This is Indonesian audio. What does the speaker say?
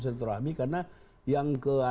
saya terahmi karena yang ke